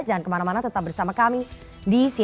jangan kemana mana tetap bersama kami di cnn indonesia